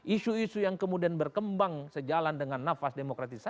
isu isu yang kemudian berkembang sejalan dengan nafas demokratisasi